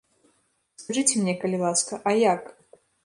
Скажыце мне, калі ласка, а як?